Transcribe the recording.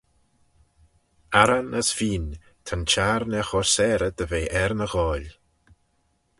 Arran as feeyn, ta'n çhiarn er chur sarey dy ve er ny ghoaill.